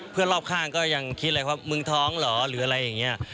รอบข้างก็ยังคิดเลยว่ามึงท้องเหรอหรืออะไรอย่างนี้